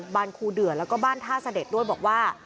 บานครูเดือแล้วก็บ้านท่าเสด็จด้วยบอกว่า